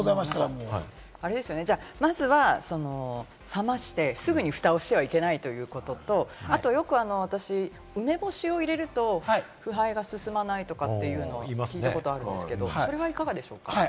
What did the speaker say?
まずは冷まして、すぐにふたをしてはいけないということと、あとよく私、梅干しを入れると腐敗が進まないとかというのを聞いたことあるんですけれど、それはいかがでしょうか？